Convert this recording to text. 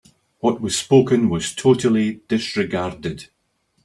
What was spoken was totally disregarded.